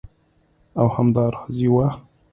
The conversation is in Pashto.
او همدا راز یوه